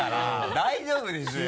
大丈夫ですよ。